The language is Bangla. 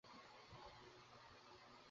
জ্ঞাতা ও জ্ঞেয়কে এক বলে জেন।